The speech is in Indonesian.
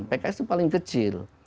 pks itu paling kecil